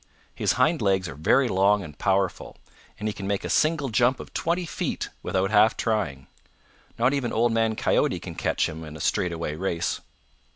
His hind legs are very long and powerful, and he can make a single jump of twenty feet without half trying. Not even Old Man Coyote can catch him in a straightaway race.